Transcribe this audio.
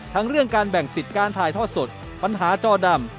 เรื่องการแบ่งสิทธิ์การถ่ายทอดสดปัญหาจอดำ